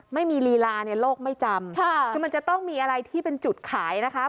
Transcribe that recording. ลีลาเนี่ยโลกไม่จำคือมันจะต้องมีอะไรที่เป็นจุดขายนะคะ